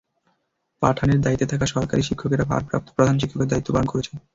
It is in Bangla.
পাঠদানের দায়িত্বে থাকা সহকারী শিক্ষকেরা ভারপ্রাপ্ত প্রধান শিক্ষকের দায়িত্ব পালন করছেন।